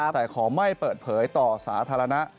แต่ขอไม่เปิดเผยต่อสาธารณะ